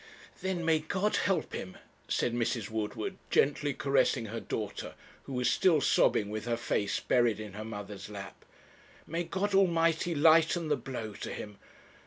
'Then may God help him!' said Mrs. Woodward, gently caressing her daughter, who was still sobbing with her face buried in her mother's lap. 'May God Almighty lighten the blow to him!